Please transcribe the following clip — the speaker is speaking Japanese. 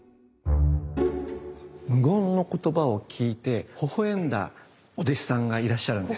無言の言葉を聞いてほほ笑んだお弟子さんがいらっしゃるんです。